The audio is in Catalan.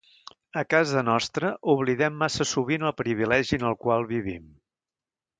A casa nostra oblidem massa sovint el privilegi en el qual vivim.